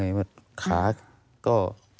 เออ